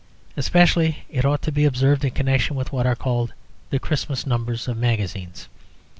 Especially it ought to be observed in connection with what are called the Christmas numbers of magazines.